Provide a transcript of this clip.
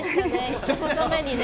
ひと言目にね。